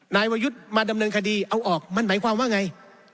นายวรยุทธ์มาดำเนินคดีเอาออกมันหมายความว่าไง